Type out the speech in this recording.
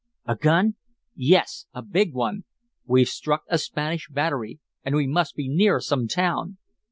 "A gun!" "Yes a big one. We've struck a Spanish battery, and we must be near some town!"